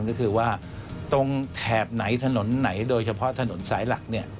ก็คือว่าตรงแถบไหนถนนไหนโดยเฉพาะถนนสายหลักเนี่ย